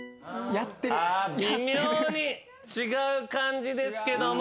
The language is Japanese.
微妙に違う漢字ですけども。